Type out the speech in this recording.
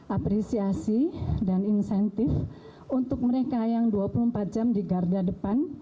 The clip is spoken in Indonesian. apresiasi dan insentif untuk mereka yang dua puluh empat jam di garda depan